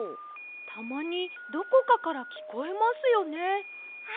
たまにどこかからきこえますよね。